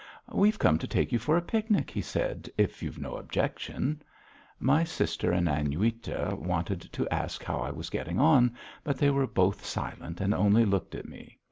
"We've come to take you for a picnic," he said, "if you've no objection." My sister and Aniuta wanted to ask how I was getting on, but they were both silent and only looked at me.